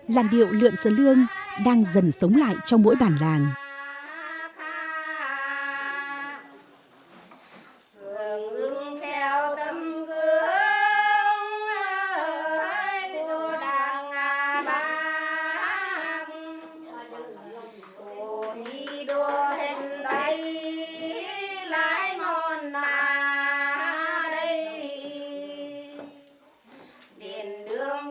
làn điệu lượn sơ lương đang dần sống lại trong mỗi bản làng